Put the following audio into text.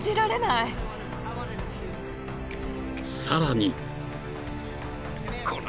［さらに］